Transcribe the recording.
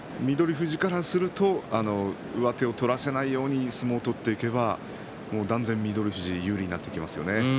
富士からすると上手を取らせないように相撲を取っていけば断然、翠富士有利になってきますよね。